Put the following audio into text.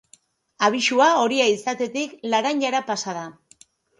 Abisua horia izatetik laranjara pasa da.